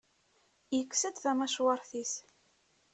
Yekkes-d tamacwart-is.